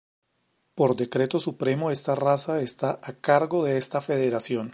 Por decreto supremo esta raza está a cargo de esta federación.